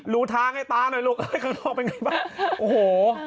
ดูทางให้ตาหน่อยลูกเอ้ยข้างนอกเป็นไงบ้างโอ้โห